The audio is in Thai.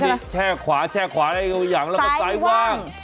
นี่แช่ขวาแช่ขวาได้ไงแล้วก็ซ้ายว่าง